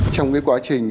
trong quá trình